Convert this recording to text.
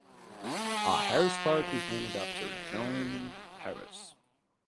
Harris Park is named after John Harris.